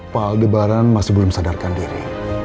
pak aldebaran masih belum sadarkan diri